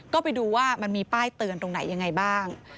ก็ไปดูว่ามันมีป้ายเตือนตรงไหนยังไงบ้าง